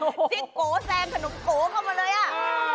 ซิกก๋อแซงขนมก๋อเข้ามาเลยอ่ะอ้า